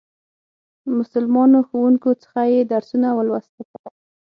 مسلمانو ښوونکو څخه یې درسونه ولوستل.